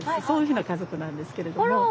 そういうふうな家族なんですけれども。